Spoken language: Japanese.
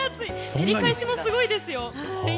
照り返しも強いですよ。